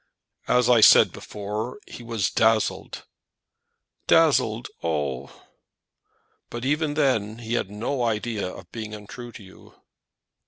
"As I said before, he was dazzled " "Dazzled! oh!" "But even then he had no idea of being untrue to you."